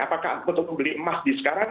apakah aku mau beli emas di sekarang